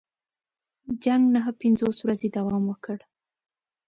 جنګ نهه پنځوس ورځې دوام وکړ.